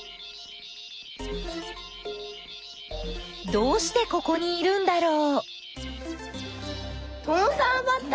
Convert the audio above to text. どうしてここにいるんだろう？